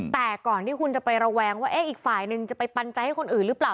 แต่ก่อนที่คุณจะไประแวงว่าเอ๊ะอีกฝ่ายนึงจะไปปันใจให้คนอื่นหรือเปล่า